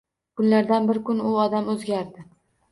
Kunlardan bir kun u odam oʻzgardi.